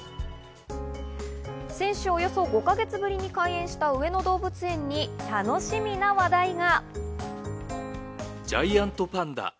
先週およそ５か月ぶりに開園した上野動物園に楽しみな話題が。